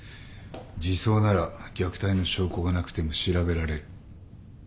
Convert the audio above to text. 児相なら虐待の証拠がなくても調べられる。